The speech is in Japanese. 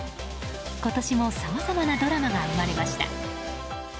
今年もさまざまなドラマが生まれました。